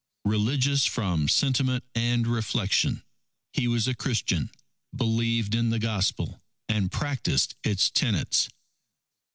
Religious from sentiment and reflection, he was a Christian, believed in the Gospel, and practiced its tenets."